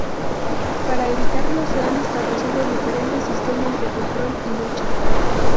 Para evitarlo, se han establecido diferentes sistemas de control y lucha.